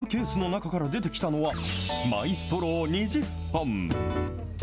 文具ケースの中から出てきたのは、マイストロー２０本。